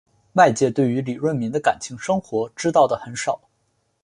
外界对于李闰珉的感情生活知道的很少。